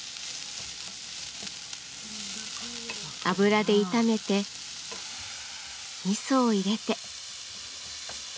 油で炒めてみそを入れて。